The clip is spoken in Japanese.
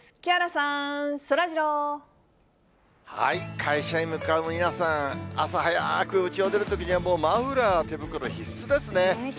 会社に向かう皆さん、朝早くうちを出るときには、もうマフラー、手袋、必須ですね。